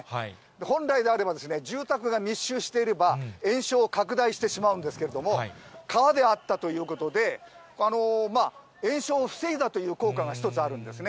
本来であれば、住宅が密集していれば、延焼が拡大してしまうんですけれども、川であったということで、延焼を防いだという効果が一つあるんですね。